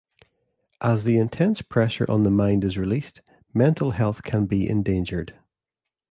As the intense pressure on the mind is released, mental health can be endangered.